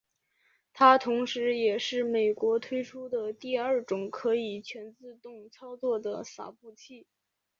它同时也是美国推出的第二种可以全自动操作的洒布器。